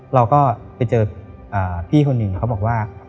เราก็ไปเจอพี่คนหนึ่งเขาบอกว่า